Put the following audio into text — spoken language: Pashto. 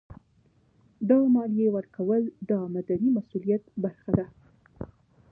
د مالیې ورکول د مدني مسؤلیت برخه ده.